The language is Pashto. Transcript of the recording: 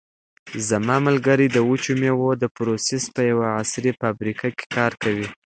زما ملګری د وچو مېوو د پروسس په یوه عصري فابریکه کې کار کوي.